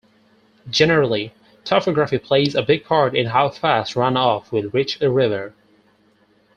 Generally, topography plays a big part in how fast runoff will reach a river.